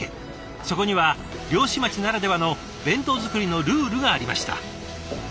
そこは漁師町ならではの弁当作りのルールがありました。